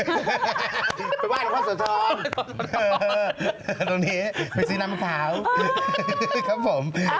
ไม่ว่าจะความสนทอมอย่างนี้ไปซื้อนำขาวครับผม